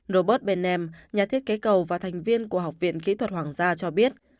robert ben nhà thiết kế cầu và thành viên của học viện kỹ thuật hoàng gia cho biết